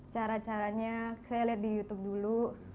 cara caranya saya lihat di youtube dulu